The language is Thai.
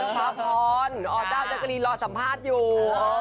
เจ้าฟ้าพรอ๋อจ้าวแจกรีนรอสัมภาษณ์อยู่